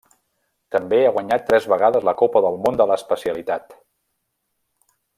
També ha guanyat tres vegades la Copa del Món de l'especialitat.